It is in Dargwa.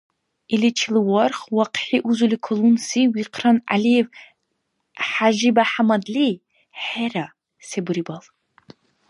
Иличил варх вахъхӀи узули калунси вихъран ГӀялиев ХӀяжибяхӀяммадли, хӀера, се бурибал.